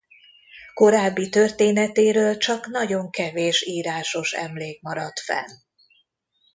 Korábbi történetéről csak nagyon kevés írásos emlék maradt fenn.